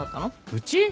うち？